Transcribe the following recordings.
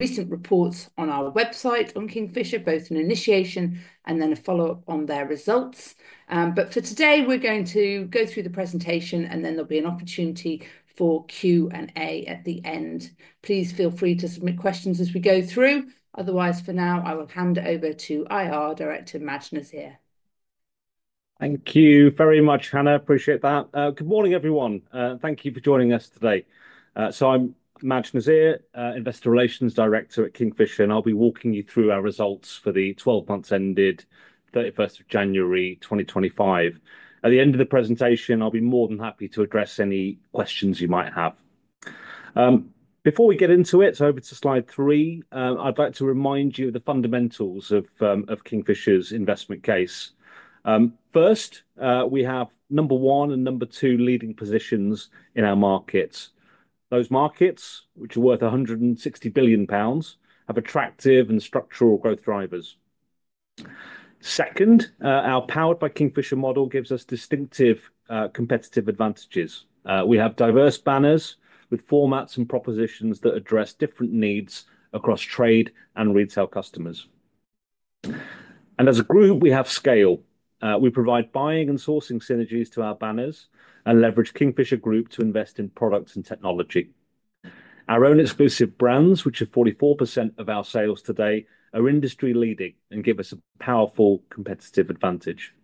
Recent reports on our website on Kingfisher, both an initiation and then a follow-up on their results. For today, we're going to go through the presentation, and then there'll be an opportunity for Q&A at the end. Please feel free to submit questions as we go through. Otherwise, for now, I will hand over to IR Director, Maj Nazir. Thank you very much, Hannah. Appreciate that. Good morning, everyone. Thank you for joining us today. I am Maj Nazir, Investor Relations Director at Kingfisher, and I will be walking you through our results for the 12 months ended 31st of January 2025. At the end of the presentation, I will be more than happy to address any questions you might have. Before we get into it, over to slide three, I would like to remind you of the fundamentals of Kingfisher's investment case. First, we have number one and number two leading positions in our markets. Those markets, which are worth 160 billion pounds, have attractive and structural growth drivers. Second, our Powered by Kingfisher model gives us distinctive competitive advantages. We have diverse banners with formats and propositions that address different needs across trade and retail customers. As a group, we have scale. We provide buying and sourcing synergies to our banners and leverage Kingfisher Group to invest in products and technology. Our own exclusive brands, which are 44% of our sales today, are industry leading and give us a powerful competitive advantage.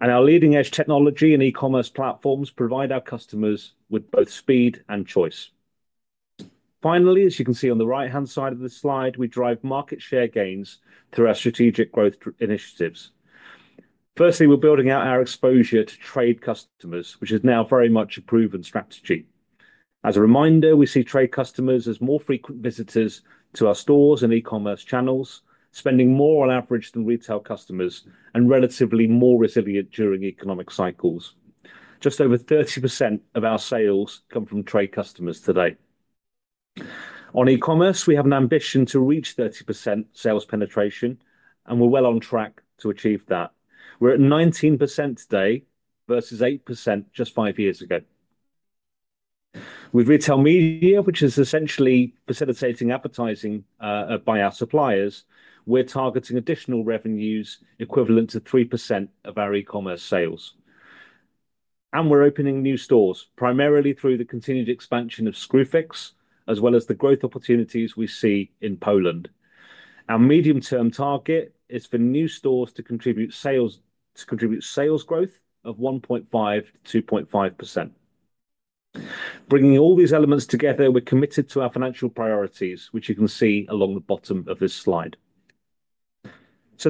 Our leading-edge technology and e-commerce platforms provide our customers with both speed and choice. Finally, as you can see on the right-hand side of the slide, we drive market share gains through our strategic growth initiatives. Firstly, we're building out our exposure to trade customers, which is now very much a proven strategy. As a reminder, we see trade customers as more frequent visitors to our stores and e-commerce channels, spending more on average than retail customers, and relatively more resilient during economic cycles. Just over 30% of our sales come from trade customers today. On e-commerce, we have an ambition to reach 30% sales penetration, and we're well on track to achieve that. We're at 19% today versus 8% just five years ago. With retail media, which is essentially facilitating advertising by our suppliers, we're targeting additional revenues equivalent to 3% of our e-commerce sales. We're opening new stores, primarily through the continued expansion of Screwfix, as well as the growth opportunities we see in Poland. Our medium-term target is for new stores to contribute sales growth of 1.5-2.5%. Bringing all these elements together, we're committed to our financial priorities, which you can see along the bottom of this slide.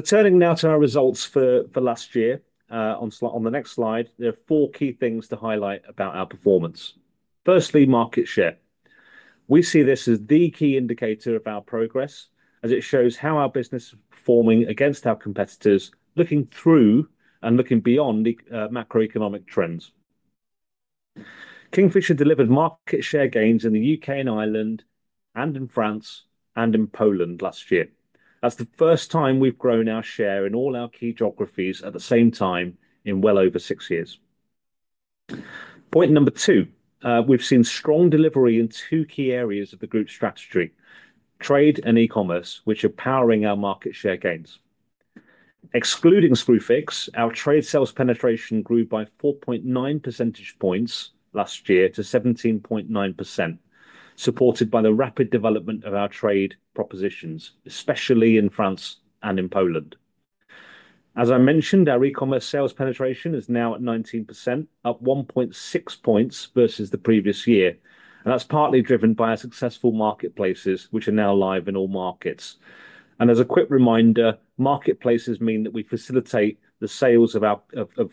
Turning now to our results for last year, on the next slide, there are four key things to highlight about our performance. Firstly, market share. We see this as the key indicator of our progress, as it shows how our business is performing against our competitors, looking through and looking beyond macroeconomic trends. Kingfisher delivered market share gains in the U.K. and Ireland, and in France, and in Poland last year. That's the first time we've grown our share in all our key geographies at the same time in well over six years. Point number two, we've seen strong delivery in two key areas of the group's strategy: trade and e-commerce, which are powering our market share gains. Excluding Screwfix, our trade sales penetration grew by 4.9 percentage points last year to 17.9%, supported by the rapid development of our trade propositions, especially in France and in Poland. As I mentioned, our e-commerce sales penetration is now at 19%, up 1.6 points versus the previous year. That is partly driven by our successful marketplaces, which are now live in all markets. As a quick reminder, marketplaces mean that we facilitate the sales of our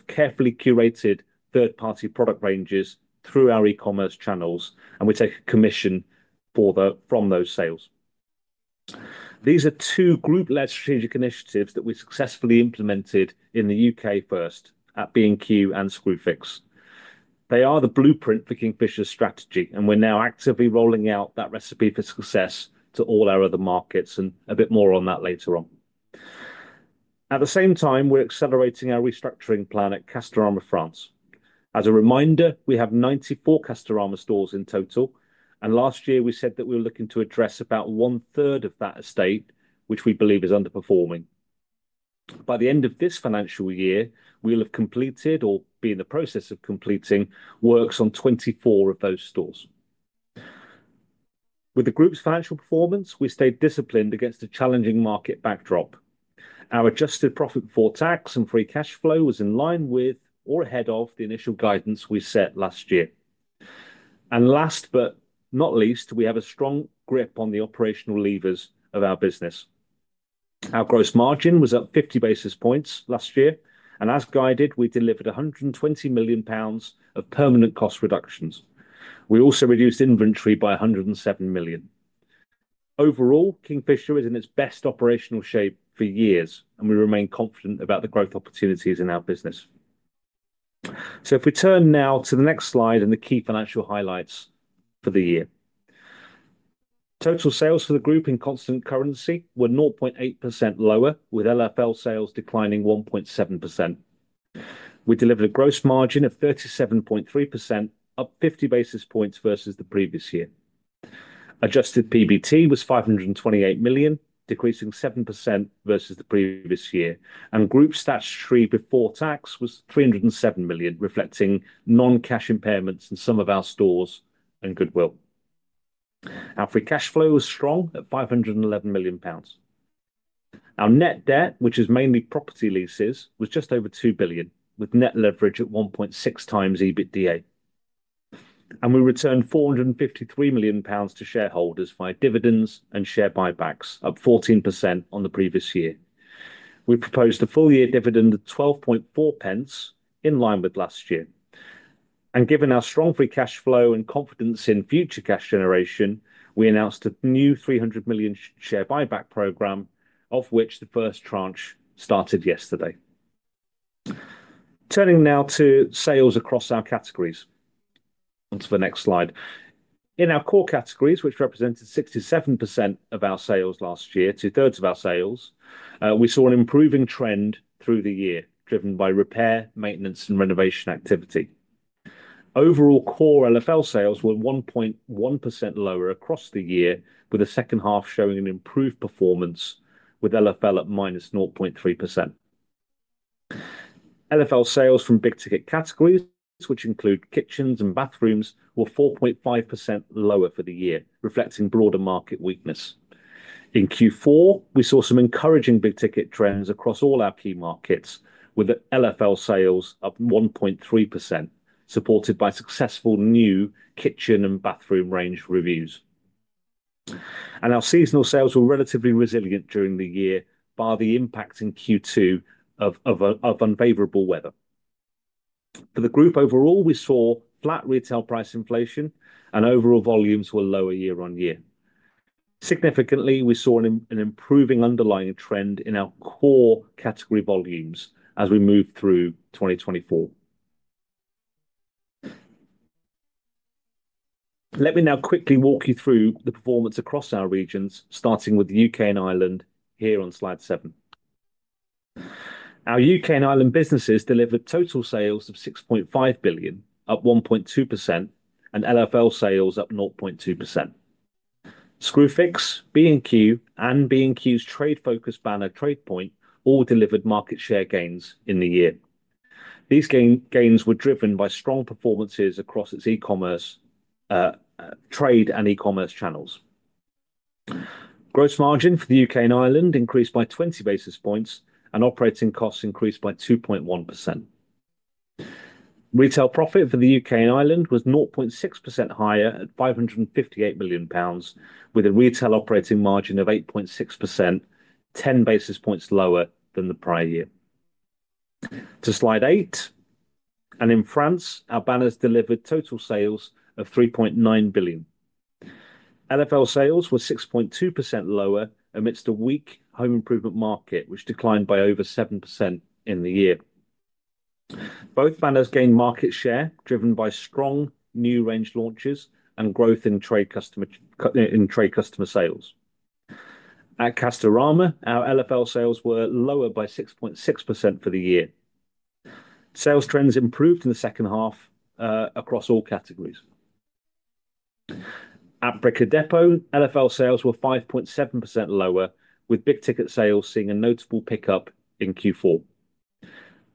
carefully curated third-party product ranges through our e-commerce channels, and we take a commission from those sales. These are two group-led strategic initiatives that we successfully implemented in the U.K. first at B&Q and Screwfix. They are the blueprint for Kingfisher's strategy, and we are now actively rolling out that recipe for success to all our other markets, and a bit more on that later on. At the same time, we are accelerating our restructuring plan at Castorama France. As a reminder, we have 94 Castorama stores in total, and last year we said that we were looking to address about one-third of that estate, which we believe is underperforming. By the end of this financial year, we will have completed, or be in the process of completing, works on 24 of those stores. With the group's financial performance, we stayed disciplined against a challenging market backdrop. Our adjusted profit before tax and free cash flow was in line with, or ahead of, the initial guidance we set last year. Last but not least, we have a strong grip on the operational levers of our business. Our gross margin was up 50 basis points last year, and as guided, we delivered 120 million pounds of permanent cost reductions. We also reduced inventory by 107 million. Overall, Kingfisher is in its best operational shape for years, and we remain confident about the growth opportunities in our business. If we turn now to the next slide and the key financial highlights for the year, total sales for the group in constant currency were 0.8% lower, with LFL sales declining 1.7%. We delivered a gross margin of 37.3%, up 50 basis points versus the previous year. Adjusted PBT was 528 million, decreasing 7% versus the previous year, and group statutory before tax was 307 million, reflecting non-cash impairments in some of our stores and goodwill. Our free cash flow was strong at 511 million pounds. Our net debt, which is mainly property leases, was just over 2 billion, with net leverage at 1.6 times EBITDA. We returned 453 million pounds to shareholders via dividends and share buybacks, up 14% on the previous year. We proposed a full-year dividend of 12.40 pence, in line with last year. Given our strong free cash flow and confidence in future cash generation, we announced a new 300 million share buyback program, of which the first tranche started yesterday. Turning now to sales across our categories. Onto the next slide. In our core categories, which represented 67% of our sales last year, two-thirds of our sales, we saw an improving trend through the year, driven by repair, maintenance, and renovation activity. Overall core LFL sales were 1.1% lower across the year, with the second half showing an improved performance, with LFL at minus 0.3%. LFL sales from big-ticket categories, which include kitchens and bathrooms, were 4.5% lower for the year, reflecting broader market weakness. In Q4, we saw some encouraging big-ticket trends across all our key markets, with LFL sales up 1.3%, supported by successful new kitchen and bathroom range reviews. Our seasonal sales were relatively resilient during the year, bar the impact in Q2 of unfavorable weather. For the group overall, we saw flat retail price inflation, and overall volumes were lower year on year. Significantly, we saw an improving underlying trend in our core category volumes as we move through 2024. Let me now quickly walk you through the performance across our regions, starting with the U.K. and Ireland here on slide seven. Our U.K. and Ireland businesses delivered total sales of 6.5 billion, up 1.2%, and LFL sales up 0.2%. Screwfix, B&Q, and B&Q's trade-focused banner TradePoint all delivered market share gains in the year. These gains were driven by strong performances across its e-commerce, trade and e-commerce channels. Gross margin for the U.K. and Ireland increased by 20 basis points, and operating costs increased by 2.1%. Retail profit for the U.K. and Ireland was 0.6% higher at 558 million pounds, with a retail operating margin of 8.6%, 10 basis points lower than the prior year. To slide eight, and in France, our banners delivered total sales of 3.9 billion. LFL sales were 6.2% lower amidst a weak home improvement market, which declined by over 7% in the year. Both banners gained market share, driven by strong new range launches and growth in trade customer sales. At Castorama, our LFL sales were lower by 6.6% for the year. Sales trends improved in the second half across all categories. At Brico Dépôt, LFL sales were 5.7% lower, with big-ticket sales seeing a notable pickup in Q4.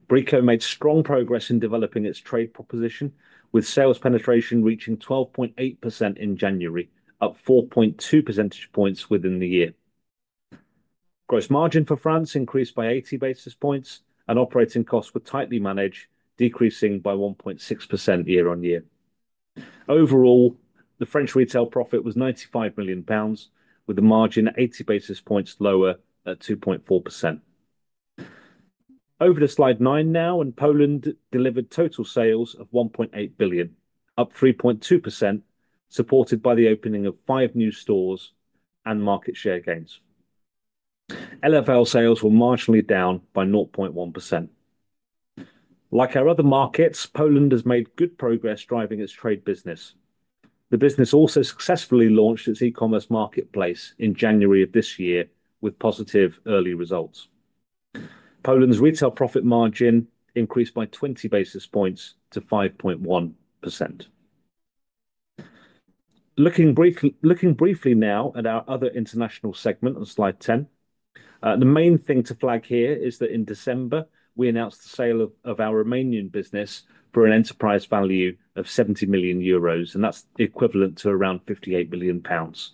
Brico made strong progress in developing its trade proposition, with sales penetration reaching 12.8% in January, up 4.2 percentage points within the year. Gross margin for France increased by 80 basis points, and operating costs were tightly managed, decreasing by 1.6% year on year. Overall, the French retail profit was 95 million pounds, with the margin 80 basis points lower at 2.4%. Over to slide nine now, and Poland delivered total sales of 1.8 billion, up 3.2%, supported by the opening of five new stores and market share gains. LFL sales were marginally down by 0.1%. Like our other markets, Poland has made good progress driving its trade business. The business also successfully launched its e-commerce marketplace in January of this year, with positive early results. Poland's retail profit margin increased by 20 basis points to 5.1%. Looking briefly now at our other international segment on slide 10, the main thing to flag here is that in December, we announced the sale of our Romanian business for an enterprise value of 70 million euros, and that's equivalent to around 58 million pounds.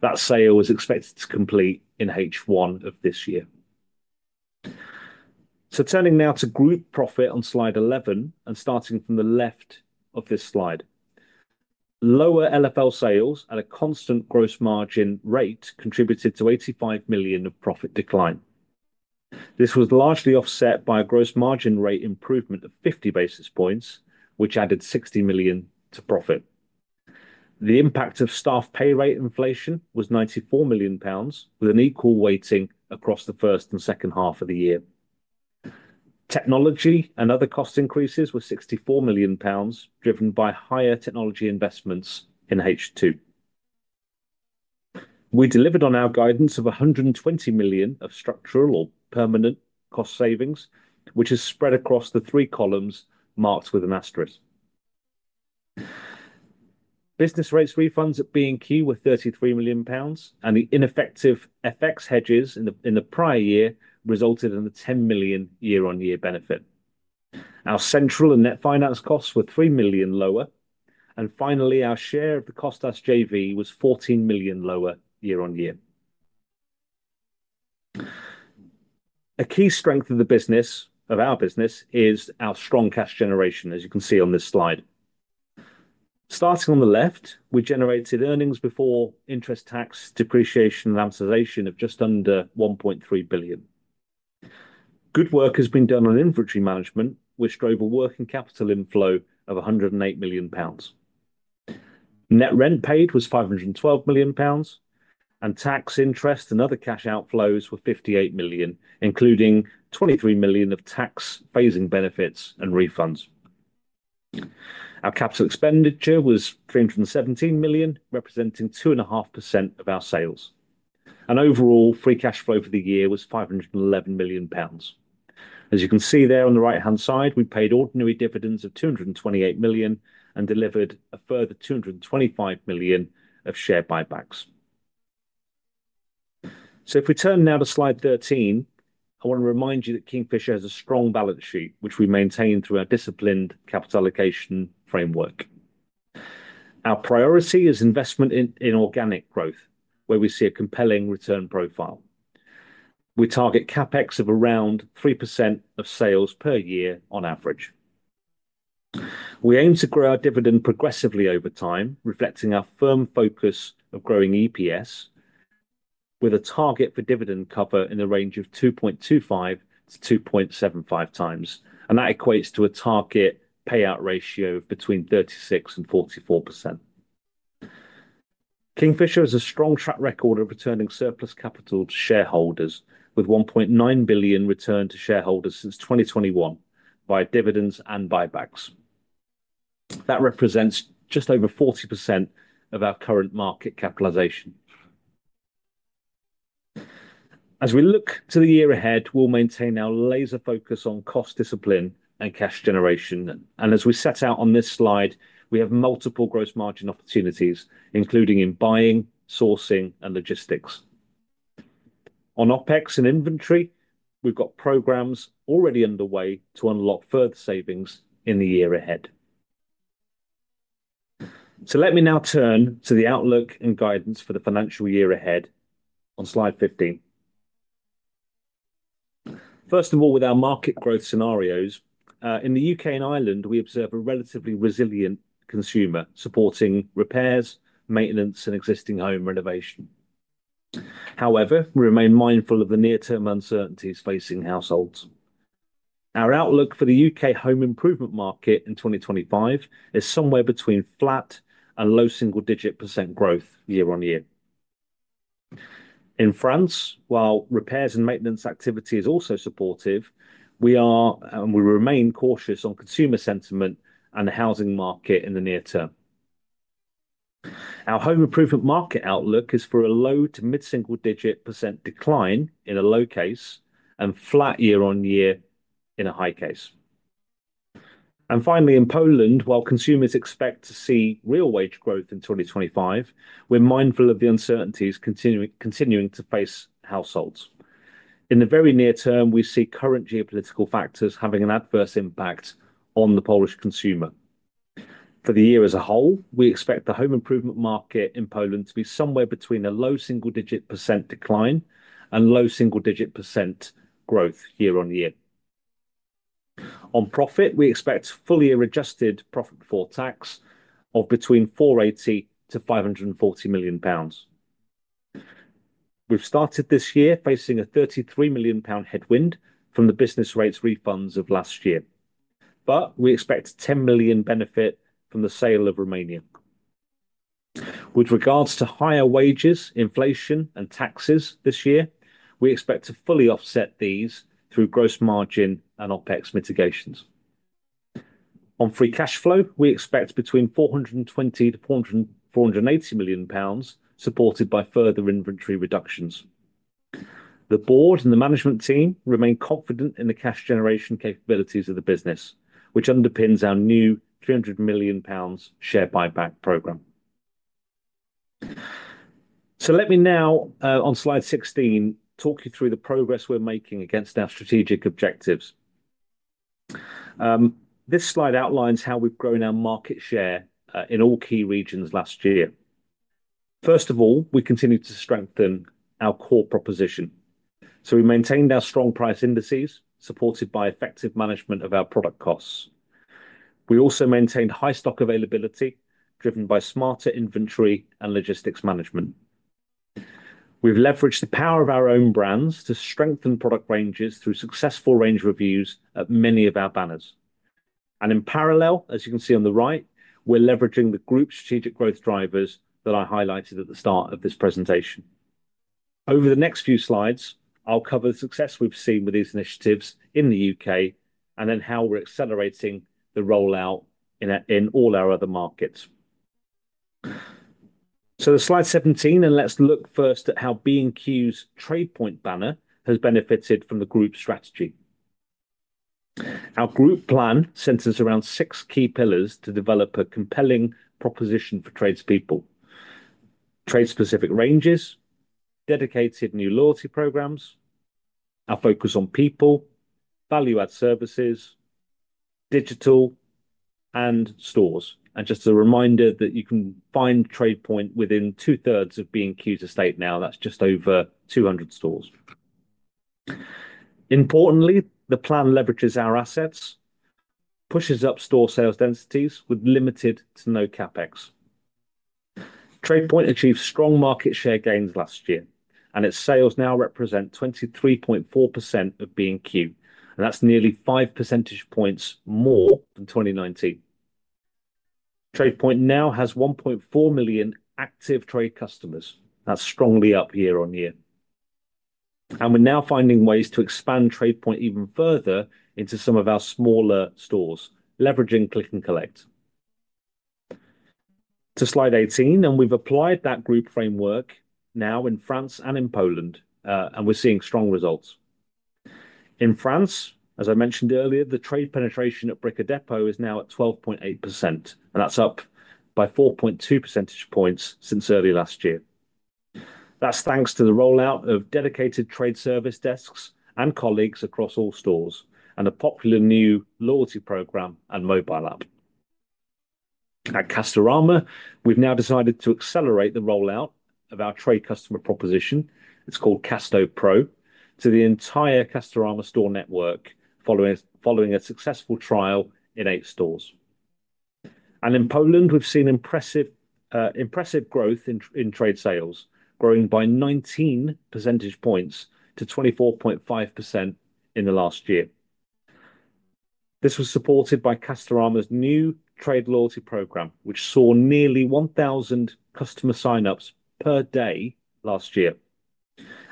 That sale was expected to complete in H1 of this year. Turning now to group profit on slide 11, and starting from the left of this slide, lower LFL sales at a constant gross margin rate contributed to 85 million of profit decline. This was largely offset by a gross margin rate improvement of 50 basis points, which added 60 million to profit. The impact of staff pay rate inflation was 94 million pounds, with an equal weighting across the first and second half of the year. Technology and other cost increases were 64 million pounds, driven by higher technology investments in H2. We delivered on our guidance of 120 million of structural or permanent cost savings, which is spread across the three columns marked with an asterisk. Business rates refunds at B&Q were 33 million pounds, and the ineffective FX hedges in the prior year resulted in a 10 million year-on-year benefit. Our central and net finance costs were 3 million lower, and finally, our share of the Koçtaş JV was 14 million lower year-on-year. A key strength of the business, of our business, is our strong cash generation, as you can see on this slide. Starting on the left, we generated earnings before interest, tax, depreciation, and amortization of just under 1.3 billion. Good work has been done on inventory management, which drove a working capital inflow of 108 million pounds. Net rent paid was 512 million pounds, and tax, interest, and other cash outflows were 58 million, including 23 million of tax phasing benefits and refunds. Our capital expenditure was 317 million, representing 2.5% of our sales. Overall, free cash flow for the year was 511 million pounds. As you can see there on the right-hand side, we paid ordinary dividends of 228 million and delivered a further 225 million of share buybacks. If we turn now to slide 13, I want to remind you that Kingfisher has a strong balance sheet, which we maintain through our disciplined capital allocation framework. Our priority is investment in organic growth, where we see a compelling return profile. We target CapEx of around 3% of sales per year on average. We aim to grow our dividend progressively over time, reflecting our firm focus of growing EPS, with a target for dividend cover in the range of 2.25-2.75 times, and that equates to a target payout ratio of between 36% and 44%. Kingfisher has a strong track record of returning surplus capital to shareholders, with 1.9 billion returned to shareholders since 2021 via dividends and buybacks. That represents just over 40% of our current market capitalization. As we look to the year ahead, we will maintain our laser focus on cost discipline and cash generation, and as we set out on this slide, we have multiple gross margin opportunities, including in buying, sourcing, and logistics. On OpEx and inventory, we have programs already underway to unlock further savings in the year ahead. Let me now turn to the outlook and guidance for the financial year ahead on slide 15. First of all, with our market growth scenarios, in the U.K. and Ireland, we observe a relatively resilient consumer supporting repairs, maintenance, and existing home renovation. However, we remain mindful of the near-term uncertainties facing households. Our outlook for the U.K. home improvement market in 2025 is somewhere between flat and low single-digit % growth year-on-year. In France, while repairs and maintenance activity is also supportive, we are and we remain cautious on consumer sentiment and the housing market in the near term. Our home improvement market outlook is for a low to mid-single-digit % decline in a low case and flat year-on-year in a high case. Finally, in Poland, while consumers expect to see real wage growth in 2025, we're mindful of the uncertainties continuing to face households. In the very near term, we see current geopolitical factors having an adverse impact on the Polish consumer. For the year as a whole, we expect the home improvement market in Poland to be somewhere between a low single-digit % decline and low single-digit % growth year-on-year. On profit, we expect fully adjusted profit before tax of between 480 million-540 million pounds. We've started this year facing a 33 million pound headwind from the business rates refunds of last year, but we expect 10 million benefit from the sale of Romania. With regards to higher wages, inflation, and taxes this year, we expect to fully offset these through gross margin and OpEx mitigations. On free cash flow, we expect between 420 million-480 million pounds, supported by further inventory reductions. The Board and the management team remain confident in the cash generation capabilities of the business, which underpins our new 300 million pounds share buyback program. Let me now, on slide 16, talk you through the progress we're making against our strategic objectives. This slide outlines how we've grown our market share in all key regions last year. First of all, we continue to strengthen our core proposition. We maintained our strong price indices, supported by effective management of our product costs. We also maintained high stock availability, driven by smarter inventory and logistics management. We've leveraged the power of our own brands to strengthen product ranges through successful range reviews at many of our banners. In parallel, as you can see on the right, we're leveraging the group strategic growth drivers that I highlighted at the start of this presentation. Over the next few slides, I'll cover the success we've seen with these initiatives in the U.K. and then how we're accelerating the rollout in all our other markets. Slide 17, and let's look first at how B&Q's TradePoint banner has benefited from the group strategy. Our group plan centers around six key pillars to develop a compelling proposition for tradespeople: trade-specific ranges, dedicated new loyalty programs, our focus on people, value-add services, digital, and stores. Just a reminder that you can find TradePoint within two-thirds of B&Q's estate now. That's just over 200 stores. Importantly, the plan leverages our assets, pushes up store sales densities with limited to no CapEx. TradePoint achieved strong market share gains last year, and its sales now represent 23.4% of B&Q, and that's nearly five percentage points more than 2019. TradePoint now has 1.4 million active trade customers; that's strongly up year-on-year. We're now finding ways to expand TradePoint even further into some of our smaller stores, leveraging click and collect. To slide 18, and we've applied that group framework now in France and in Poland, and we're seeing strong results. In France, as I mentioned earlier, the trade penetration at Brico Dépôt is now at 12.8%, and that's up by 4.2 percentage points since early last year. That's thanks to the rollout of dedicated trade service desks and colleagues across all stores, and a popular new loyalty program and mobile app. At Castorama, we've now decided to accelerate the rollout of our trade customer proposition; it's called CastoPro, to the entire Castorama store network, following a successful trial in eight stores. In Poland, we've seen impressive growth in trade sales, growing by 19 percentage points to 24.5% in the last year. This was supported by Castorama's new trade loyalty program, which saw nearly 1,000 customer sign-ups per day last year,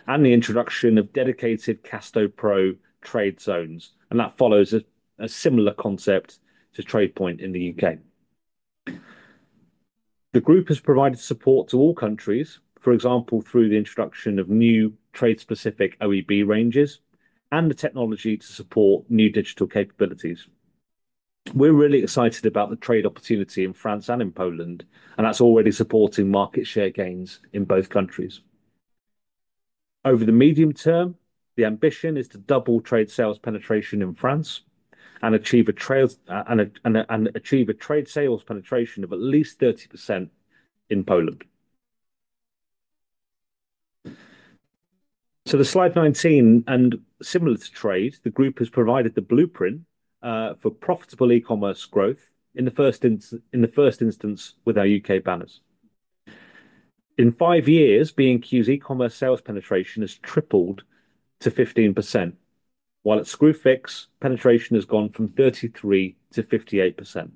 and the introduction of dedicated CastoPro trade zones, and that follows a similar concept to TradePoint in the U.K. The group has provided support to all countries, for example, through the introduction of new trade-specific OEB ranges and the technology to support new digital capabilities. We're really excited about the trade opportunity in France and in Poland, and that's already supporting market share gains in both countries. Over the medium term, the ambition is to double trade sales penetration in France and achieve a trade sales penetration of at least 30% in Poland. The slide 19, and similar to trade, the group has provided the blueprint for profitable e-commerce growth in the first instance with our U.K. banners. In five years, B&Q's e-commerce sales penetration has tripled to 15%, while at Screwfix, penetration has gone from 33% to 58%.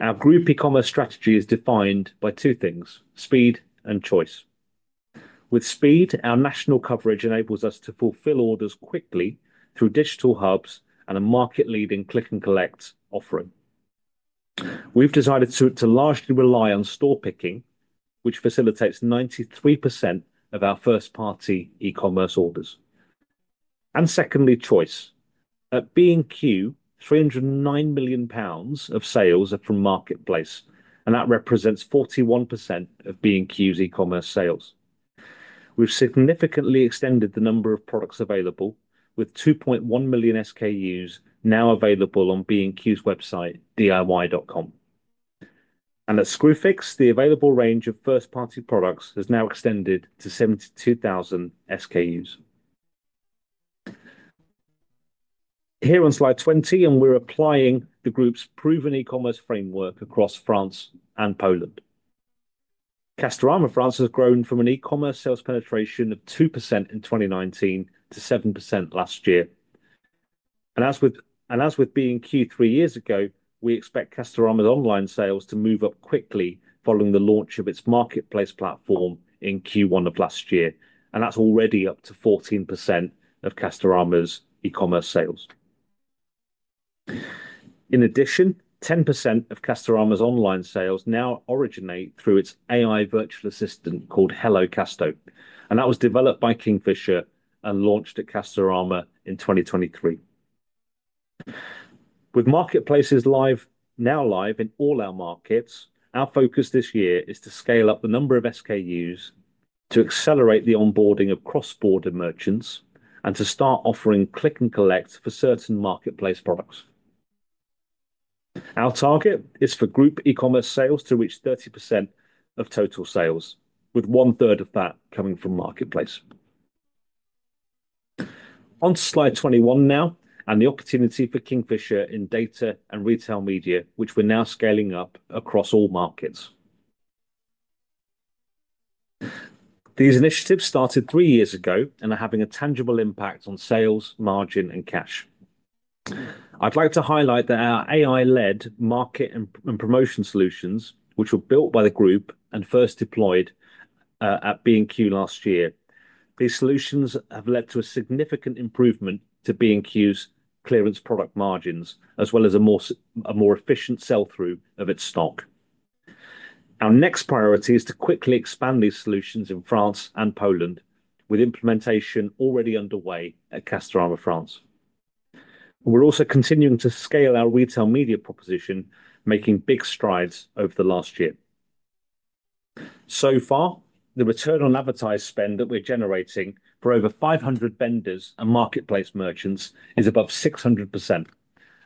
Our group e-commerce strategy is defined by two things: speed and choice. With speed, our national coverage enables us to fulfill orders quickly through digital hubs and a market-leading click and collect offering. We have decided to largely rely on store picking, which facilitates 93% of our first-party e-commerce orders. Secondly, choice. At B&Q, 309 million pounds of sales are from marketplace, and that represents 41% of B&Q's e-commerce sales. We have significantly extended the number of products available, with 2.1 million SKUs now available on B&Q's website, diy.com. At Screwfix, the available range of first-party products has now extended to 72,000 SKUs. Here on slide 20, we are applying the group's proven e-commerce framework across France and Poland. Castorama France has grown from an e-commerce sales penetration of 2% in 2019 to 7% last year. As with B&Q three years ago, we expect Castorama's online sales to move up quickly following the launch of its marketplace platform in Q1 of last year, and that is already up to 14% of Castorama's e-commerce sales. In addition, 10% of Castorama's online sales now originate through its AI virtual assistant called Hello Casto, and that was developed by Kingfisher and launched at Castorama in 2023. With marketplaces now live in all our markets, our focus this year is to scale up the number of SKUs to accelerate the onboarding of cross-border merchants and to start offering click and collect for certain marketplace products. Our target is for group e-commerce sales to reach 30% of total sales, with one-third of that coming from marketplace. On slide 21 now, and the opportunity for Kingfisher in data and retail media, which we're now scaling up across all markets. These initiatives started three years ago and are having a tangible impact on sales, margin, and cash. I'd like to highlight that our AI-led market and promotion solutions, which were built by the group and first deployed at B&Q last year, these solutions have led to a significant improvement to B&Q's clearance product margins, as well as a more efficient sell-through of its stock. Our next priority is to quickly expand these solutions in France and Poland, with implementation already underway at Castorama France. We're also continuing to scale our retail media proposition, making big strides over the last year. So far, the return on advertising spend that we're generating for over 500 vendors and marketplace merchants is above 600%,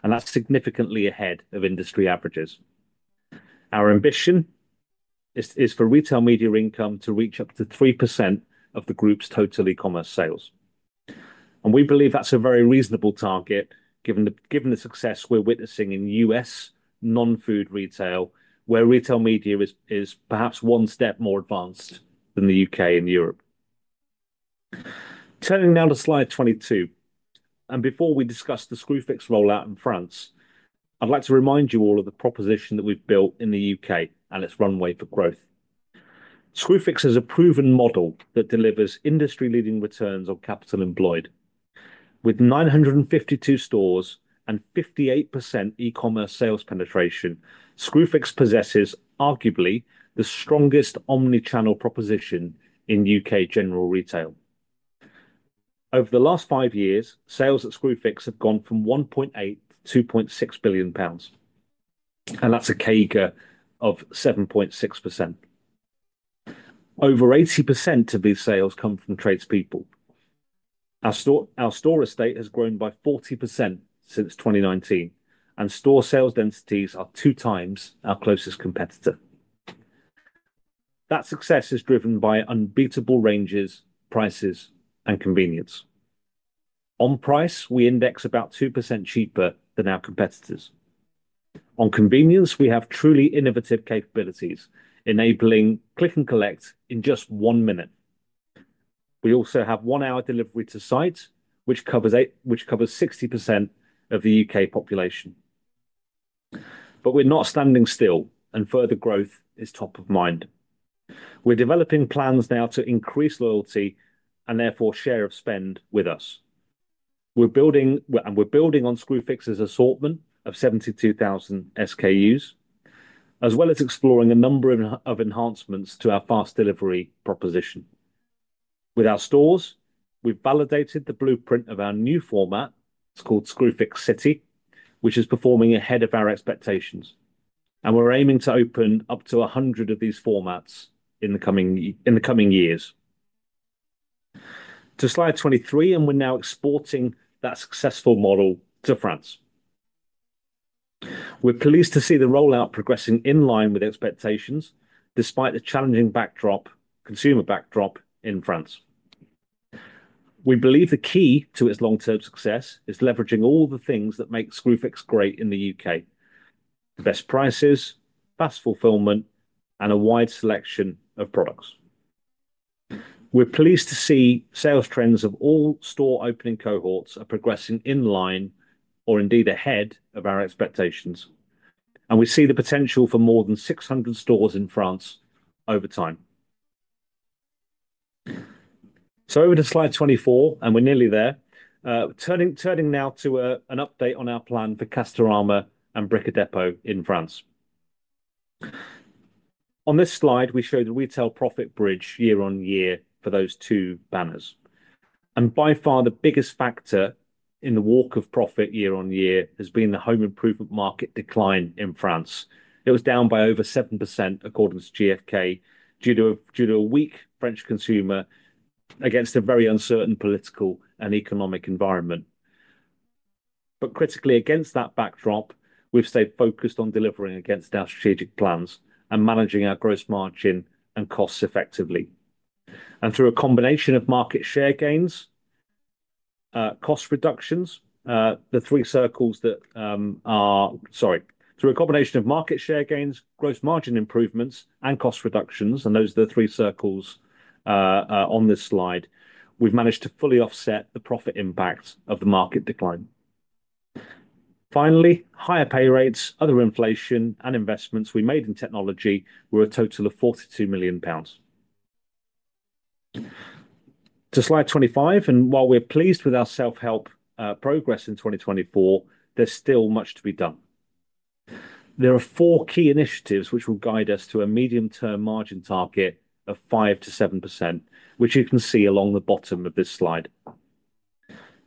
and that's significantly ahead of industry averages. Our ambition is for retail media income to reach up to 3% of the group's total e-commerce sales. We believe that's a very reasonable target given the success we're witnessing in U.S. non-food retail, where retail media is perhaps one step more advanced than the U.K. and Europe. Turning now to slide 22, and before we discuss the Screwfix rollout in France, I'd like to remind you all of the proposition that we've built in the U.K. and its runway for growth. Screwfix is a proven model that delivers industry-leading returns on capital employed. With 952 stores and 58% e-commerce sales penetration, Screwfix possesses arguably the strongest omnichannel proposition in U.K. general retail. Over the last five years, sales at Screwfix have gone from 1.8 billion to 2.6 billion pounds, and that's a CAGR of 7.6%. Over 80% of these sales come from tradespeople. Our store estate has grown by 40% since 2019, and store sales densities are two times our closest competitor. That success is driven by unbeatable ranges, prices, and convenience. On price, we index about 2% cheaper than our competitors. On convenience, we have truly innovative capabilities, enabling click and collect in just one minute. We also have one-hour delivery to site, which covers 60% of the U.K. population. We are not standing still, and further growth is top of mind. We are developing plans now to increase loyalty and therefore share of spend with us. We are building on Screwfix's assortment of 72,000 SKUs, as well as exploring a number of enhancements to our fast delivery proposition. With our stores, we have validated the blueprint of our new format. It is called Screwfix City, which is performing ahead of our expectations. We are aiming to open up to 100 of these formats in the coming years. To slide 23, we are now exporting that successful model to France. We are pleased to see the rollout progressing in line with expectations, despite the challenging consumer backdrop in France. We believe the key to its long-term success is leveraging all the things that make Screwfix great in the U.K.: the best prices, fast fulfillment, and a wide selection of products. We are pleased to see sales trends of all store opening cohorts are progressing in line or indeed ahead of our expectations. We see the potential for more than 600 stores in France over time. Over to slide 24, we are nearly there. Turning now to an update on our plan for Castorama and Brico Dépôt in France. On this slide, we show the retail profit bridge year-on-year for those two banners. By far, the biggest factor in the walk of profit year-on-year has been the home improvement market decline in France. It was down by over 7% according to GfK due to a weak French consumer against a very uncertain political and economic environment. Critically, against that backdrop, we've stayed focused on delivering against our strategic plans and managing our gross margin and costs effectively. Through a combination of market share gains, cost reductions, the three circles that are—sorry—through a combination of market share gains, gross margin improvements, and cost reductions, and those are the three circles on this slide, we've managed to fully offset the profit impact of the market decline. Finally, higher pay rates, other inflation, and investments we made in technology were a total of 42 million pounds. To slide 25, and while we're pleased with our self-help progress in 2024, there's still much to be done. There are four key initiatives which will guide us to a medium-term margin target of 5%-7%, which you can see along the bottom of this slide.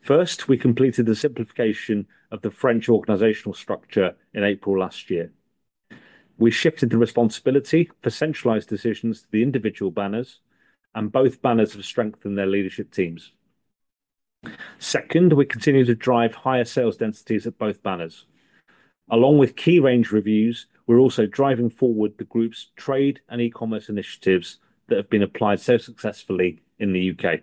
First, we completed the simplification of the French organizational structure in April last year. We shifted the responsibility for centralized decisions to the individual banners, and both banners have strengthened their leadership teams. Second, we continue to drive higher sales densities at both banners. Along with key range reviews, we're also driving forward the group's trade and e-commerce initiatives that have been applied so successfully in the U.K.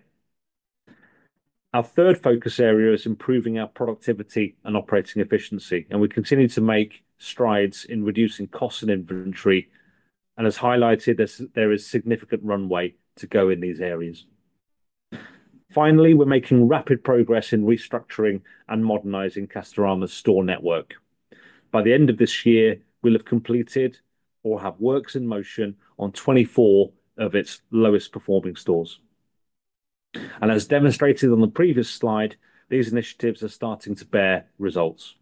Our third focus area is improving our productivity and operating efficiency, and we continue to make strides in reducing costs and inventory, and as highlighted, there is significant runway to go in these areas. Finally, we're making rapid progress in restructuring and modernizing Castorama's store network. By the end of this year, we'll have completed or have works in motion on 24 of its lowest-performing stores. As demonstrated on the previous slide, these initiatives are starting to bear results.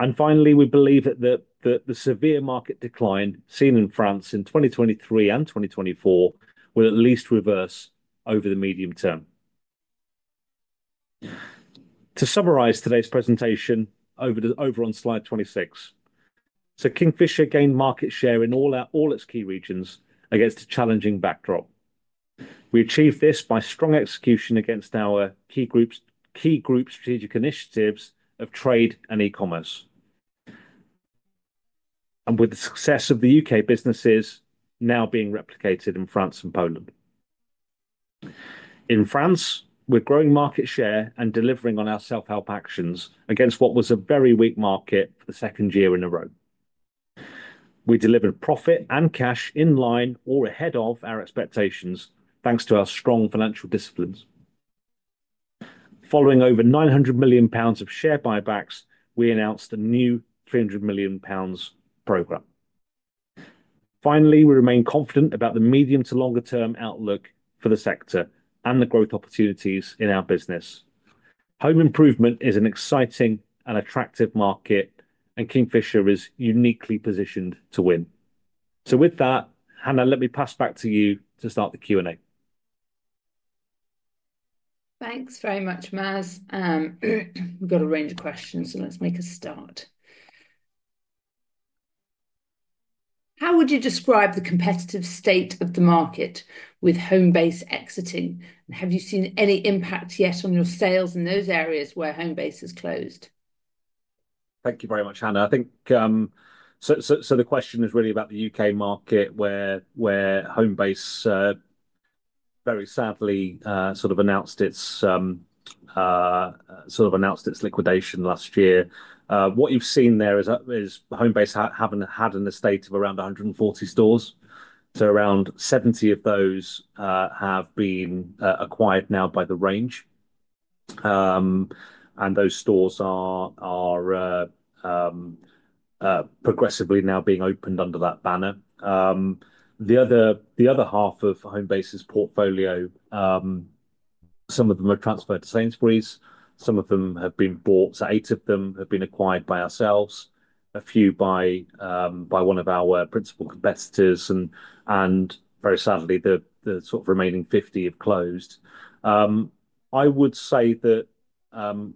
We believe that the severe market decline seen in France in 2023 and 2024 will at least reverse over the medium term. To summarize today's presentation over on slide 26, Kingfisher gained market share in all its key regions against a challenging backdrop. We achieved this by strong execution against our key group strategic initiatives of trade and e-commerce, and with the success of the U.K. businesses now being replicated in France and Poland. In France, we're growing market share and delivering on our self-help actions against what was a very weak market for the second year in a row. We delivered profit and cash in line or ahead of our expectations, thanks to our strong financial disciplines. Following over 900 million pounds of share buybacks, we announced a new 300 million pounds program. Finally, we remain confident about the medium to longer-term outlook for the sector and the growth opportunities in our business. Home improvement is an exciting and attractive market, and Kingfisher is uniquely positioned to win. Hannah, let me pass back to you to start the Q&A. Thanks very much, Maj. We've got a range of questions, so let's make a start. How would you describe the competitive state of the market with Homebase exiting? Have you seen any impact yet on your sales in those areas where Homebase has closed? Thank you very much, Hannah. I think the question is really about the U.K. market where Homebase, very sadly, sort of announced its liquidation last year. What you've seen there is Homebase having had an estate of around 140 stores. So around 70 of those have been acquired now by The Range, and those stores are progressively now being opened under that banner. The other half of Homebase's portfolio, some of them have transferred to Sainsbury's. Some of them have been bought, so eight of them have been acquired by ourselves, a few by one of our principal competitors. Very sadly, the remaining 50 have closed. I would say that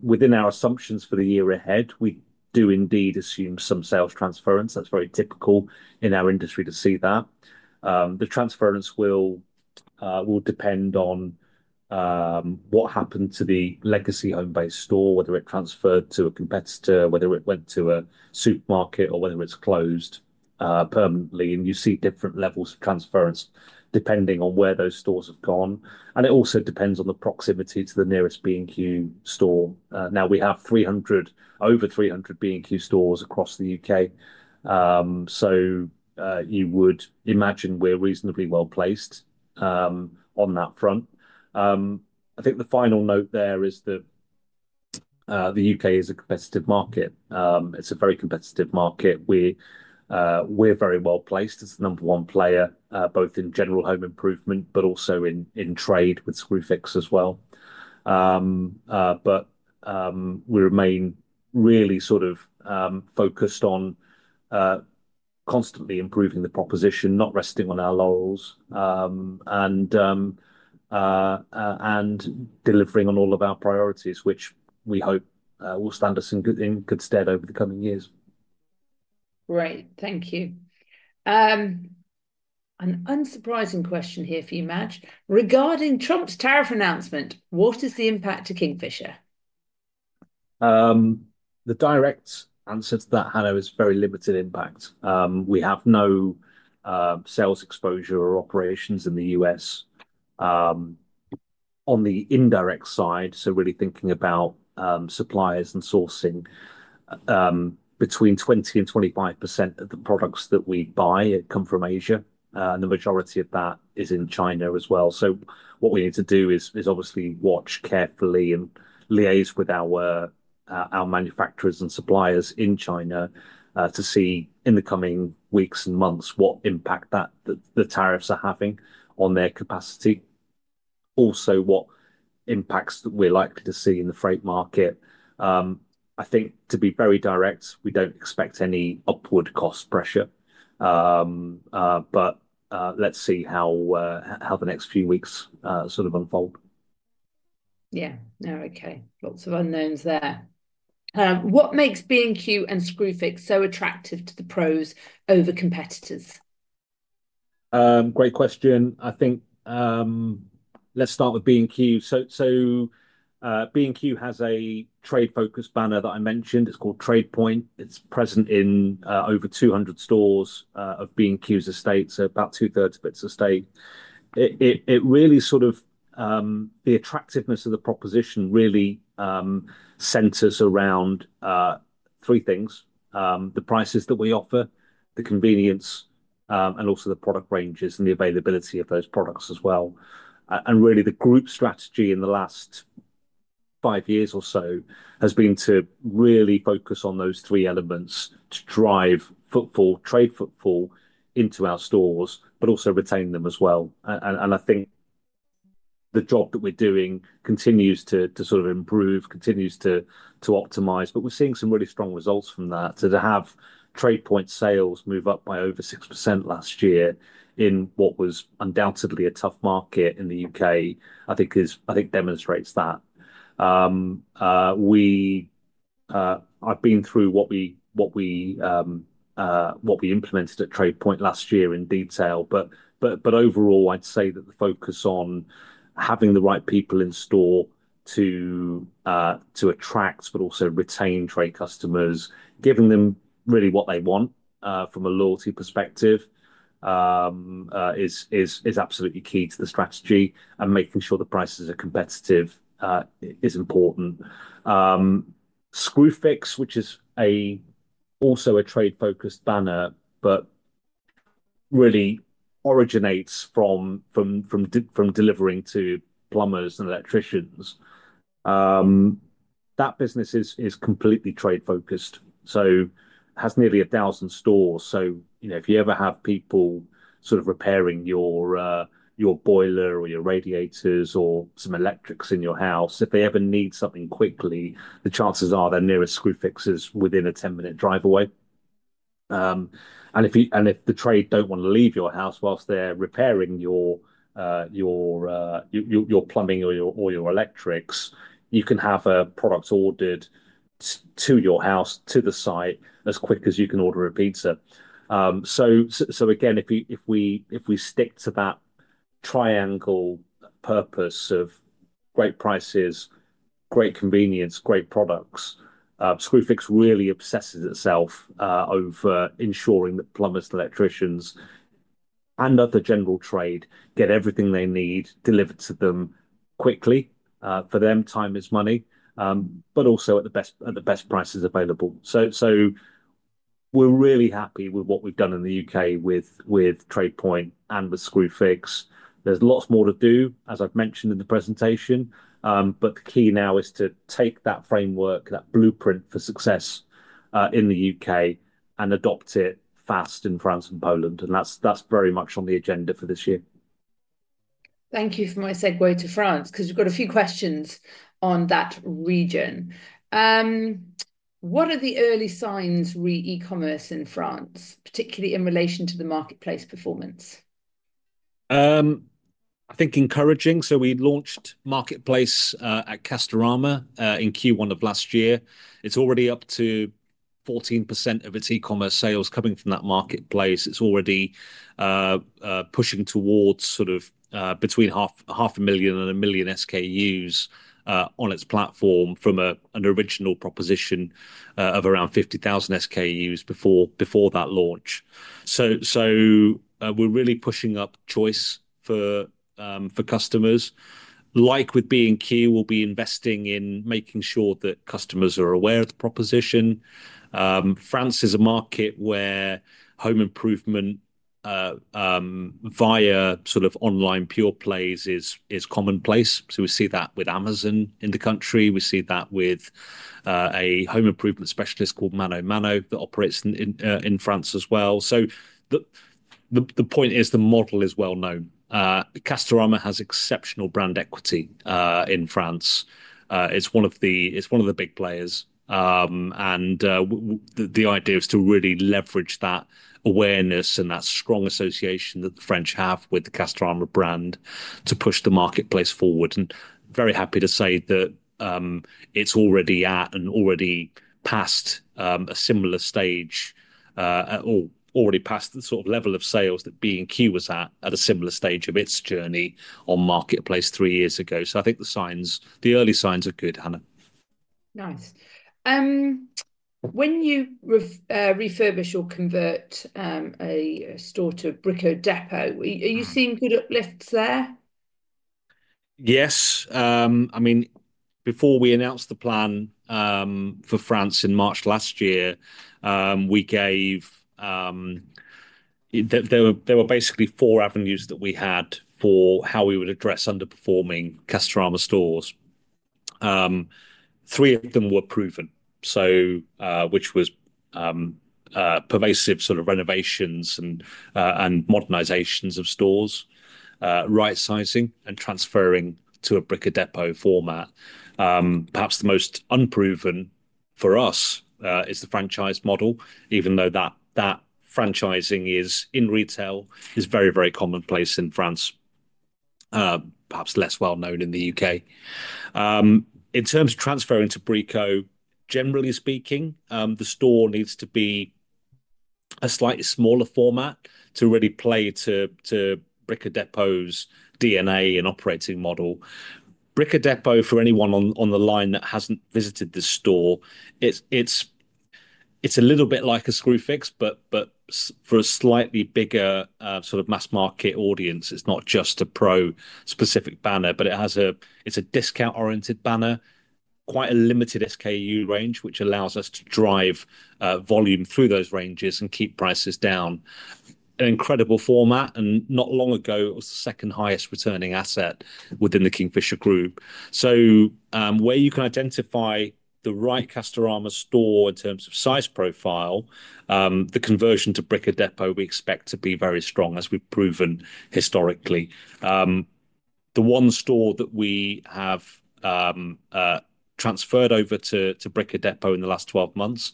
within our assumptions for the year ahead, we do indeed assume some sales transference. That's very typical in our industry to see that. The transference will depend on what happened to the legacy Homebase store, whether it transferred to a competitor, whether it went to a supermarket, or whether it's closed permanently. You see different levels of transference depending on where those stores have gone. It also depends on the proximity to the nearest B&Q store. Now we have over 300 B&Q stores across the U.K., so you would imagine we're reasonably well placed on that front. I think the final note there is that the U.K. is a competitive market. It's a very competitive market. We're very well placed as the number one player, both in general home improvement, but also in trade with Screwfix as well. We remain really sort of focused on constantly improving the proposition, not resting on our laurels, and delivering on all of our priorities, which we hope will stand us in good stead over the coming years. Great. Thank you. An unsurprising question here for you, Maj. Regarding Trump's tariff announcement, what is the impact to Kingfisher? The direct answer to that, Hannah, is very limited impact. We have no sales exposure or operations in the U.S. On the indirect side, really thinking about suppliers and sourcing, between 20% and 25% of the products that we buy come from Asia. The majority of that is in China as well. What we need to do is obviously watch carefully and liaise with our manufacturers and suppliers in China to see in the coming weeks and months what impact the tariffs are having on their capacity. Also, what impacts that we're likely to see in the freight market. I think to be very direct, we don't expect any upward cost pressure. Let's see how the next few weeks sort of unfold. Yeah. No, okay. Lots of unknowns there. What makes B&Q and Screwfix so attractive to the pros over competitors? Great question. I think let's start with B&Q. B&Q has a trade-focused banner that I mentioned. It's called TradePoint. It's present in over 200 stores of B&Q's estate, so about two-thirds of its estate. The attractiveness of the proposition really centers around three things: the prices that we offer, the convenience, and also the product ranges and the availability of those products as well. Really the group strategy in the last five years or so has been to really focus on those three elements to drive footfall, trade footfall into our stores, but also retain them as well. I think the job that we're doing continues to sort of improve, continues to optimize. We're seeing some really strong results from that. To have TradePoint sales move up by over 6% last year in what was undoubtedly a tough market in the U.K., I think demonstrates that. I've been through what we implemented at TradePoint last year in detail. Overall, I'd say that the focus on having the right people in store to attract, but also retain trade customers, giving them really what they want from a loyalty perspective, is absolutely key to the strategy. Making sure the prices are competitive is important. Screwfix, which is also a trade-focused banner, but really originates from delivering to plumbers and electricians. That business is completely trade-focused. It has nearly 1,000 stores. You know, if you ever have people sort of repairing your boiler or your radiators or some electrics in your house, if they ever need something quickly, the chances are their nearest Screwfix is within a 10-minute drive away. If the trade do not want to leave your house whilst they are repairing your plumbing or your electrics, you can have a product ordered to your house, to the site, as quick as you can order a pizza. If we stick to that triangle purpose of great prices, great convenience, great products, Screwfix really obsesses itself over ensuring that plumbers, electricians, and other general trade get everything they need delivered to them quickly. For them, time is money, but also at the best prices available. We are really happy with what we have done in the U.K. with TradePoint and with Screwfix. There is lots more to do, as I mentioned in the presentation. The key now is to take that framework, that blueprint for success in the U.K., and adopt it fast in France and Poland. That is very much on the agenda for this year. Thank you for my segue to France, because we have got a few questions on that region. What are the early signs re-e-commerce in France, particularly in relation to the marketplace performance? I think encouraging. We launched marketplace at Castorama in Q1 of last year. It is already up to 14% of its e-commerce sales coming from that marketplace. It is already pushing towards between 500,000 and 1 million SKUs on its platform from an original proposition of around 50,000 SKUs before that launch. We are really pushing up choice for customers. Like with B&Q, we will be investing in making sure that customers are aware of the proposition. France is a market where home improvement via online pure plays is commonplace. We see that with Amazon in the country. We see that with a home improvement specialist called ManoMano that operates in France as well. The point is the model is well known. Castorama has exceptional brand equity in France. It's one of the big players, and the idea is to really leverage that awareness and that strong association that the French have with the Castorama brand to push the marketplace forward. Very happy to say that it's already at and already past a similar stage or already past the sort of level of sales that B&Q was at at a similar stage of its journey on marketplace three years ago. I think the signs, the early signs are good, Hannah. Nice. When you refurbish or convert a store to Brico Dépôt, are you seeing good uplifts there? Yes. I mean, before we announced the plan for France in March last year, we gave there were basically four avenues that we had for how we would address underperforming Castorama stores. Three of them were proven, so which was pervasive sort of renovations and modernizations of stores, right-sizing and transferring to a Brico Dépôt format. Perhaps the most unproven for us is the franchise model, even though that franchising in retail is very, very commonplace in France, perhaps less well known in the U.K. In terms of transferring to Brico, generally speaking, the store needs to be a slightly smaller format to really play to Brico Dépôt's DNA and operating model. Brico Dépôt, for anyone on the line that hasn't visited this store, it's a little bit like a Screwfix, but for a slightly bigger sort of mass market audience. It's not just a pro-specific banner, but it is a discount-oriented banner, quite a limited SKU range, which allows us to drive volume through those ranges and keep prices down. An incredible format. Not long ago, it was the second highest returning asset within the Kingfisher group. Where you can identify the right Castorama store in terms of size profile, the conversion to Brico Dépôt we expect to be very strong, as we've proven historically. The one store that we have transferred over to Brico Dépôt in the last 12 months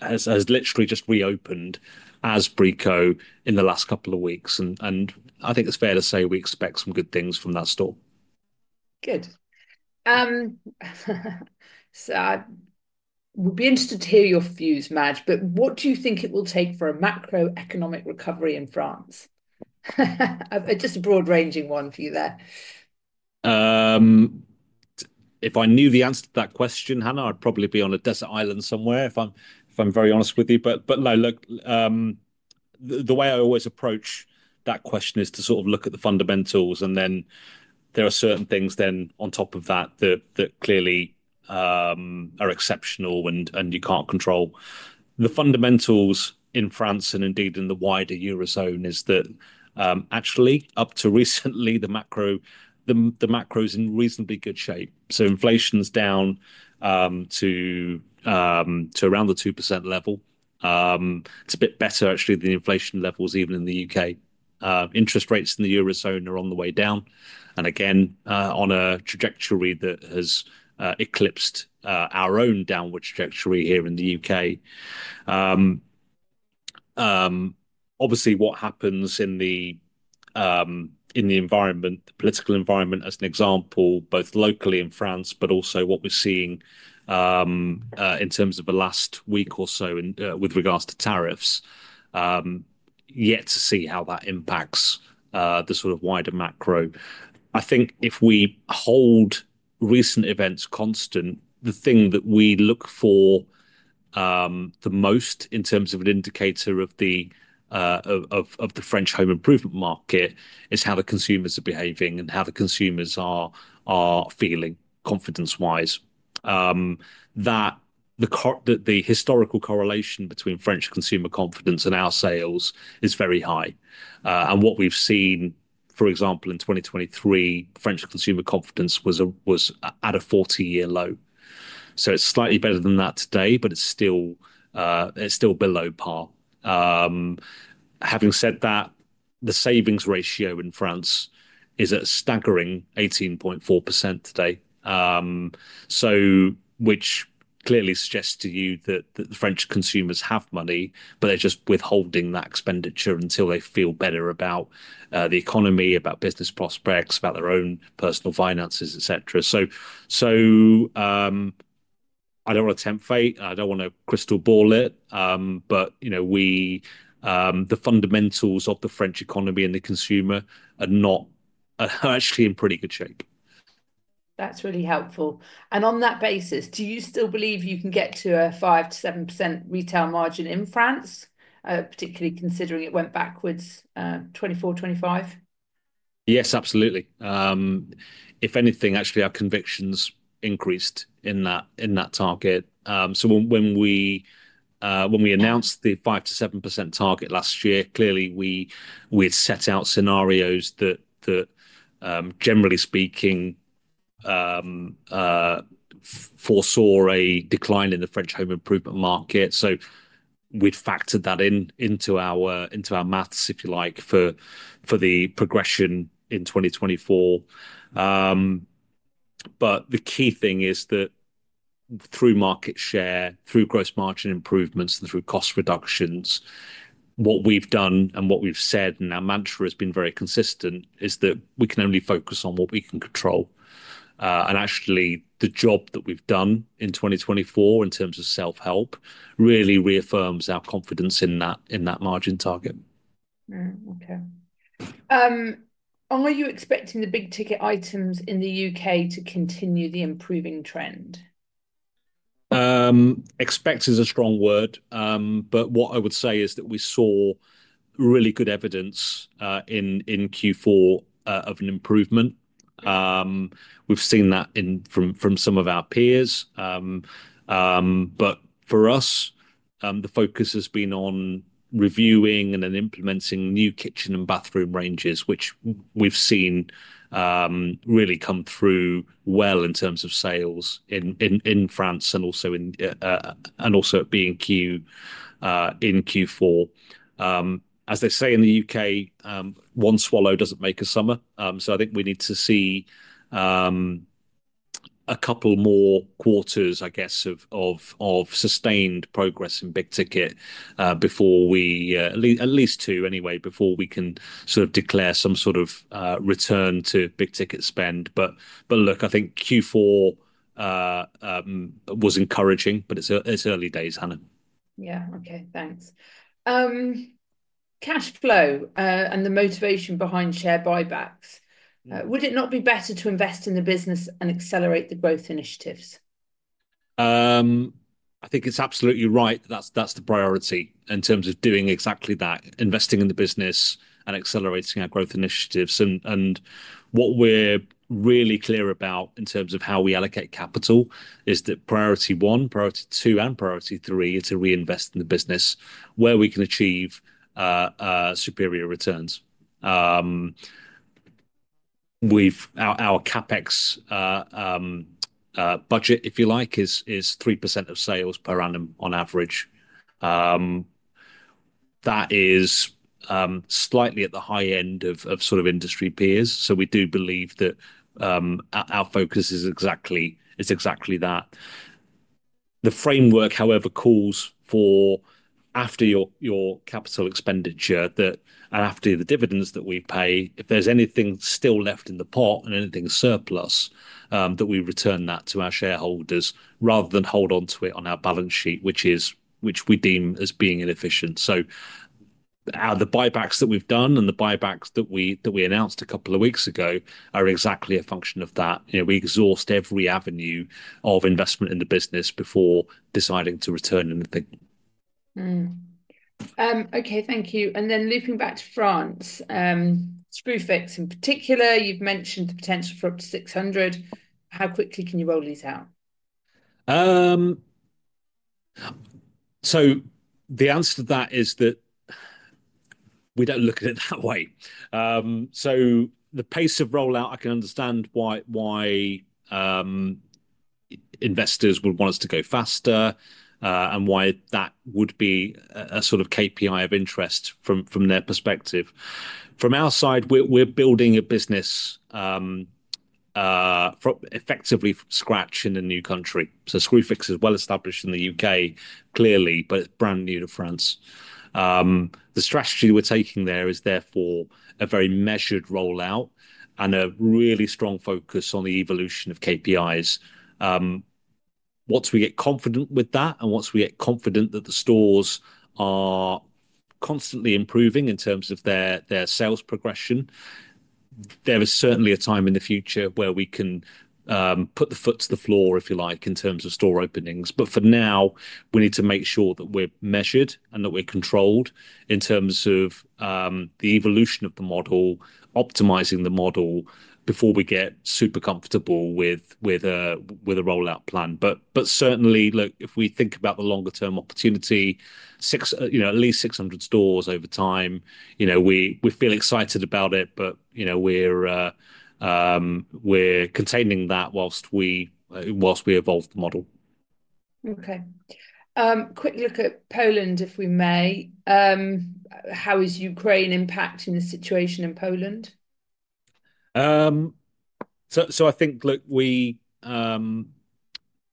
has literally just reopened as Brico in the last couple of weeks. I think it's fair to say we expect some good things from that store. Good. I would be interested to hear your views, Maj. What do you think it will take for a macroeconomic recovery in France? Just a broad-ranging one for you there. If I knew the answer to that question, Hannah, I'd probably be on a desert island somewhere, if I'm very honest with you. No, look, the way I always approach that question is to sort of look at the fundamentals. There are certain things then on top of that that clearly are exceptional and you can't control. The fundamentals in France and indeed in the wider eurozone is that actually, up to recently, the macro is in reasonably good shape. Inflation's down to around the 2% level. It's a bit better, actually, than inflation levels, even in the U.K. Interest rates in the eurozone are on the way down. Again, on a trajectory that has eclipsed our own downward trajectory here in the U.K. Obviously, what happens in the environment, the political environment, as an example, both locally in France, but also what we're seeing in terms of the last week or so with regards to tariffs, yet to see how that impacts the sort of wider macro. I think if we hold recent events constant, the thing that we look for the most in terms of an indicator of the French home improvement market is how the consumers are behaving and how the consumers are feeling confidence-wise. The historical correlation between French consumer confidence and our sales is very high. What we've seen, for example, in 2023, French consumer confidence was at a 40-year low. It is slightly better than that today, but it is still below par. Having said that, the savings ratio in France is a staggering 18.4% today, which clearly suggests to you that the French consumers have money, but they are just withholding that expenditure until they feel better about the economy, about business prospects, about their own personal finances, et cetera. I do not want to tempt fate. I do not want to crystal ball it, but, you know, the fundamentals of the French economy and the consumer are not actually in pretty good shape. That is really helpful. On that basis, do you still believe you can get to a 5%-7% retail margin in France, particularly considering it went backwards 2024, 2025? Yes, absolutely. If anything, actually, our convictions increased in that target. When we announced the 5%-7% target last year, clearly, we had set out scenarios that generally speaking, foresaw a decline in the French home improvement market. We had factored that into our maths, if you like, for the progression in 2024. The key thing is that through market share, through gross margin improvements, and through cost reductions, what we've done and what we've said, and our mantra has been very consistent, is that we can only focus on what we can control. Actually, the job that we've done in 2024 in terms of self-help really reaffirms our confidence in that margin target. Mm-hmm. Okay. Are you expecting the big-ticket items in the U.K. to continue the improving trend? Expect is a strong word. What I would say is that we saw really good evidence in Q4 of an improvement. We've seen that from some of our peers. For us, the focus has been on reviewing and then implementing new kitchen and bathroom ranges, which we've seen really come through well in terms of sales in France and also at B&Q in Q4. As they say in the U.K., one swallow doesn't make a summer. I think we need to see a couple more quarters, I guess, of sustained progress in big-ticket before we, at least two anyway, before we can sort of declare some sort of return to big-ticket spend. I think Q4 was encouraging, but it's early days, Hannah. Yeah. Okay. Thanks. Cash flow and the motivation behind share buybacks. Would it not be better to invest in the business and accelerate the growth initiatives? I think it's absolutely right that that's the priority in terms of doing exactly that, investing in the business and accelerating our growth initiatives. What we're really clear about in terms of how we allocate capital is that priority one, priority two, and priority three is to reinvest in the business where we can achieve superior returns. Our CapEx budget, if you like, is 3% of sales per annum on average. That is slightly at the high end of sort of industry peers. We do believe that our focus is exactly that. The framework, however, calls for after your capital expenditure and after the dividends that we pay, if there is anything still left in the pot and anything surplus, that we return that to our shareholders rather than hold on to it on our balance sheet, which we deem as being inefficient. The buybacks that we have done and the buybacks that we announced a couple of weeks ago are exactly a function of that. You know, we exhaust every avenue of investment in the business before deciding to return anything. Thank you. Looping back to France, Screwfix in particular, you have mentioned the potential for up to 600. How quickly can you roll these out? The answer to that is that we do not look at it that way. The pace of rollout, I can understand why investors would want us to go faster and why that would be a sort of KPI of interest from their perspective. From our side, we're building a business effectively from scratch in a new country. Screwfix is well established in the U.K., clearly, but it's brand new to France. The strategy we're taking there is therefore a very measured rollout and a really strong focus on the evolution of KPIs. Once we get confident with that and once we get confident that the stores are constantly improving in terms of their sales progression, there is certainly a time in the future where we can put the foot to the floor, if you like, in terms of store openings. For now, we need to make sure that we're measured and that we're controlled in terms of the evolution of the model, optimizing the model before we get super comfortable with a rollout plan. Certainly, look, if we think about the longer-term opportunity, you know, at least 600 stores over time, you know, we feel excited about it, but you know, we're containing that whilst we evolve the model. Okay. Quick look at Poland, if we may. How is Ukraine impacting the situation in Poland? I think, look,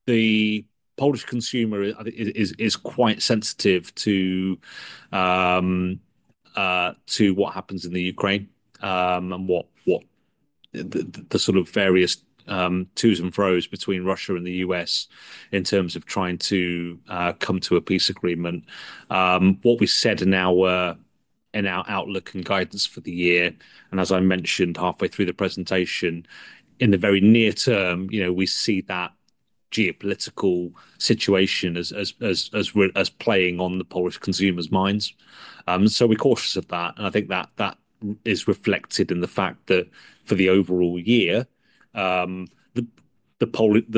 the Polish consumer is quite sensitive to what happens in Ukraine and the sort of various to's and fro's between Russia and the U.S. in terms of trying to come to a peace agreement. What we said in our outlook and guidance for the year, and as I mentioned halfway through the presentation, in the very near term, you know, we see that geopolitical situation as playing on the Polish consumers' minds. We're cautious of that. I think that is reflected in the fact that for the overall year, the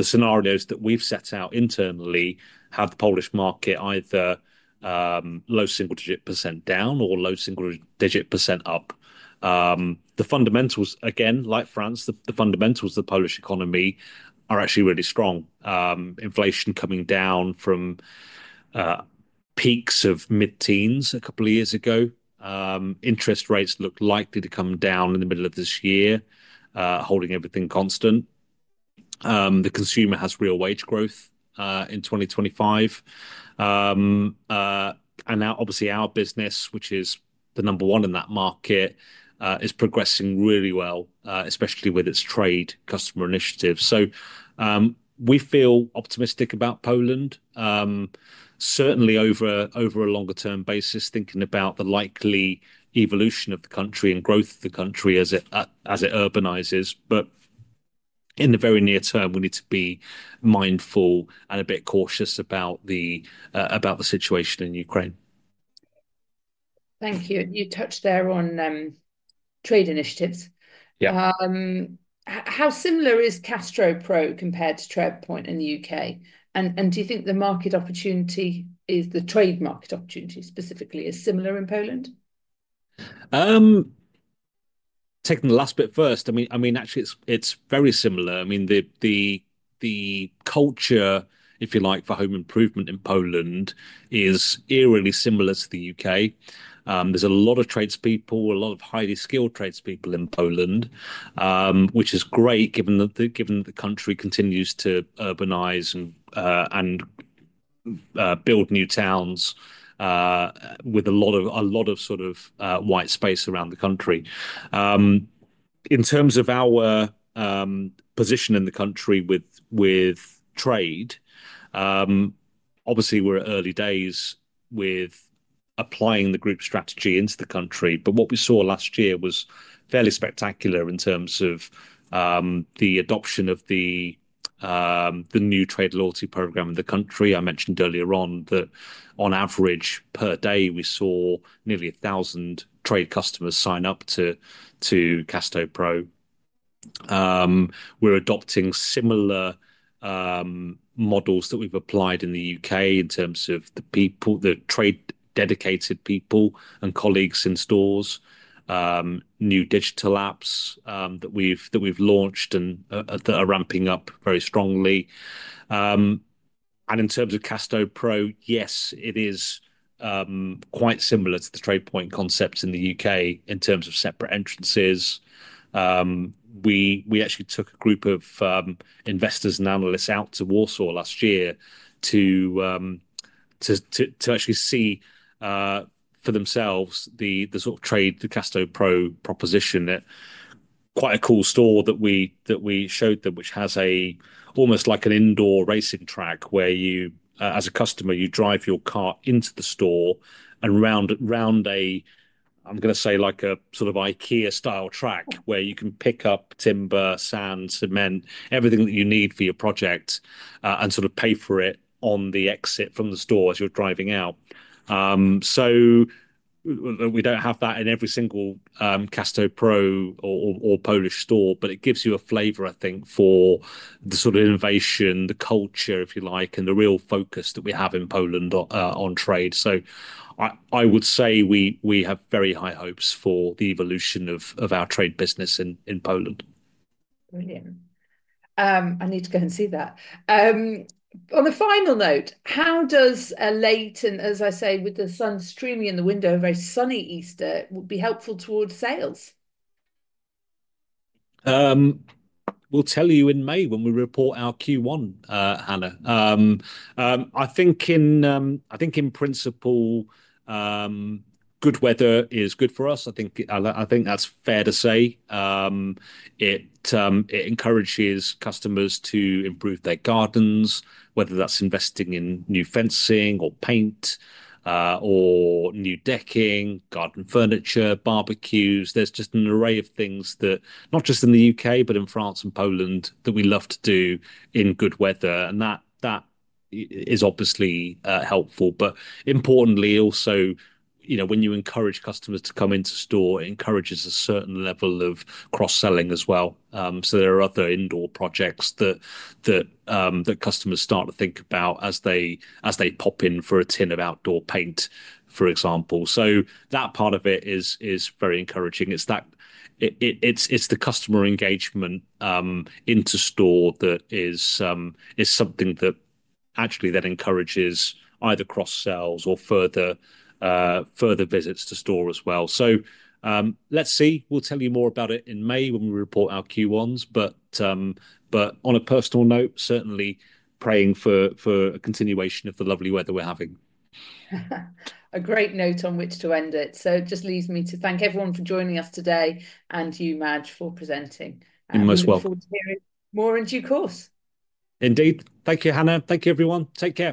scenarios that we've set out internally have the Polish market either low single-digit % down or low single-digit % up. The fundamentals, again, like France, the fundamentals of the Polish economy are actually really strong. Inflation coming down from peaks of mid-teens a couple of years ago. Interest rates look likely to come down in the middle of this year, holding everything constant. The consumer has real wage growth in 2025. Now, obviously, our business, which is the number one in that market, is progressing really well, especially with its trade customer initiative. We feel optimistic about Poland, certainly over a longer-term basis, thinking about the likely evolution of the country and growth of the country as it urbanizes. In the very near term, we need to be mindful and a bit cautious about the situation in Ukraine. Thank you. You touched there on trade initiatives. Yeah. How similar is CastoPro compared to TradePoint in the U.K.? Do you think the market opportunity, the trade market opportunity specifically, is similar in Poland? Taking the last bit first, I mean, actually, it's very similar. The culture, if you like, for home improvement in Poland is eerily similar to the U.K.. There is a lot of tradespeople, a lot of highly skilled tradespeople in Poland, which is great given that the country continues to urbanize and build new towns with a lot of sort of white space around the country. In terms of our position in the country with trade, obviously, we're at early days with applying the group strategy into the country. What we saw last year was fairly spectacular in terms of the adoption of the new trade loyalty program in the country. I mentioned earlier on that on average per day, we saw nearly 1,000 trade customers sign up to CastoPro. We're adopting similar models that we've applied in the U.K. in terms of the people, the trade dedicated people and colleagues in stores, new digital apps that we've launched and that are ramping up very strongly. In terms of CastoPro, yes, it is quite similar to the TradePoint concepts in the U.K. in terms of separate entrances. We actually took a group of investors and analysts out to Warsaw last year to actually see for themselves the sort of trade, the Castorama Pro proposition at quite a cool store that we showed them, which has almost like an indoor racing track where you, as a customer, you drive your car into the store and round around a, I'm going to say, like a sort of IKEA-style track where you can pick up timber, sand, cement, everything that you need for your project, and sort of pay for it on the exit from the store as you're driving out. We don't have that in every single Castorama Pro or Polish store, but it gives you a flavor, I think, for the sort of innovation, the culture, if you like, and the real focus that we have in Poland on trade. I would say we have very high hopes for the evolution of our trade business in Poland. Brilliant. I need to go and see that. On a final note, how does a late, and as I say, with the sun streaming in the window, a very sunny Easter would be helpful towards sales? We'll tell you in May when we report our Q1, Hannah. I think in principle, good weather is good for us. I think that's fair to say. It encourages customers to improve their gardens, whether that's investing in new fencing or paint, or new decking, garden furniture, barbecues. There's just an array of things that, not just in the U.K., but in France and Poland, that we love to do in good weather. That is obviously helpful. Importantly, also, you know, when you encourage customers to come into store, it encourages a certain level of cross-selling as well. There are other indoor projects that customers start to think about as they pop in for a tin of outdoor paint, for example. That part of it is very encouraging. It's the customer engagement into store that is something that actually then encourages either cross-sells or further visits to store as well. Let's see. We'll tell you more about it in May when we report our Q1s. But on a personal note, certainly praying for a continuation of the lovely weather we're having. A great note on which to end it. It just leaves me to thank everyone for joining us today and you, Maj, for presenting. You're most welcome. Looking forward to hearing more in due course. Indeed.Thank you, Hannah. Thank you, everyone. Take care.